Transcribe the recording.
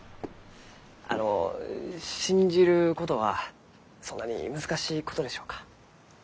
あの信じることはそんなに難しいことでしょうか？